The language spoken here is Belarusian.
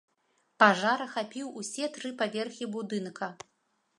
Пажар ахапіў усе тры паверхі будынка.